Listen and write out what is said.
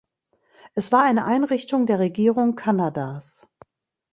Es war eine Einrichtung der Regierung Kanadas.